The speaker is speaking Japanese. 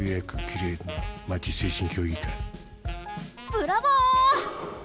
ブラボー！